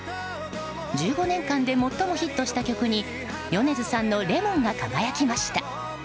１５年間で最もヒットした曲に米津さんの「Ｌｅｍｏｎ」が輝きました。